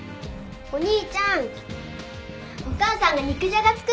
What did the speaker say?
お兄ちゃんお母さんが肉じゃが作ってくれ。